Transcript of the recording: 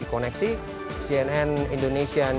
oke om sekalian ya teman teman